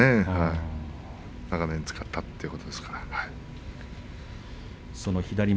長年使ったということですからね。